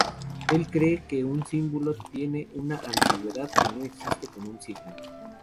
Él cree que un símbolo tiene alguna ambigüedad que no existe con un signo.